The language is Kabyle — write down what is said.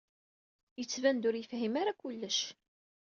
Yettban-d ur yefhim ara kullec.